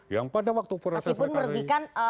yang pada waktu proses mereka meskipun merugikan